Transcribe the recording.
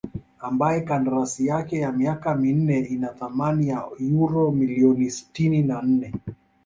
ambaye kandarasi yake ya miaka minne ina thamani ya uro milioni sitini na nne